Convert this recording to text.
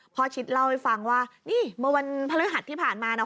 ชิดเล่าให้ฟังว่านี่เมื่อวันพฤหัสที่ผ่านมานะ